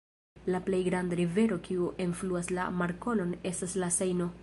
La plej granda rivero kiu enfluas la markolon estas la Sejno.